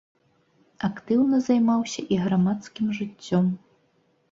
Актыўна займаўся і грамадскім жыццём.